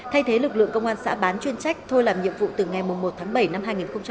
thay thế lực lượng công an xã bán chuyên trách thôi làm nhiệm vụ từ ngày một tháng bảy năm hai nghìn hai mươi